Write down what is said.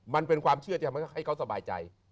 มันเป็นความเชื่อที่ทำให้เขาสบายใจ